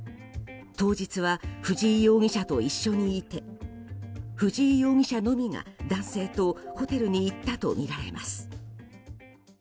当日は、藤井容疑者と一緒にいて藤井容疑者のみが男性とホテルに行ったとみられます。